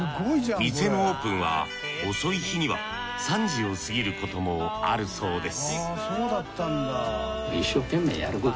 店のオープンは遅い日には３時を過ぎることもあるそうです